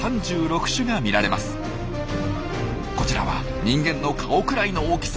こちらは人間の顔くらいの大きさ。